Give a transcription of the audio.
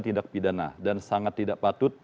tindak pidana dan sangat tidak patut